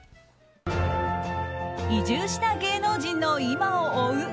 移住した芸能人の今を追う